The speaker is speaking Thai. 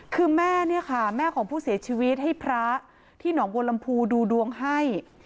คือแม่เนี่ยค่ะแม่ของผู้เสียชีวิตให้พระที่หนองบัวลำพูดูดวงให้